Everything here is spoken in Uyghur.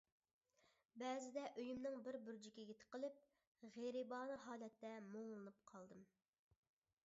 بەزىدە، ئۆيۈمنىڭ بىر بۇرجىكىگە تىقىلىپ، غېرىبانە ھالەتتە مۇڭلىنىپ قالدىم.